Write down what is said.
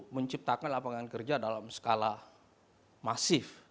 menciptakan lapangan kerja dalam skala masif